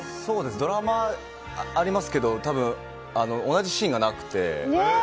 ドラマはありますけど多分、同じシーンがなくて。